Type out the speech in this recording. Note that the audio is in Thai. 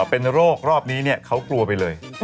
อ๋อเป็นโรครอบนี้เนี่ยเขากลัวไปเลย